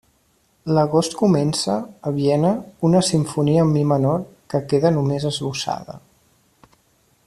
L'agost comença, a Viena, una simfonia en mi menor, que queda només esbossada.